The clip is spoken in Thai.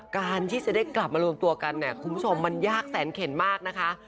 การที่จะได้กลับมารวมตัวกันเนี่ยคุณผู้ชมมันยากแสนเข็นมากนะคะ